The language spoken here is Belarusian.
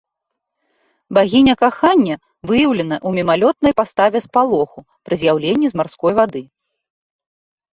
Багіня кахання выяўлена ў мімалётнай паставе спалоху пры з'яўленні з марской вады.